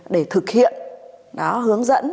để thực hiện đó hướng dẫn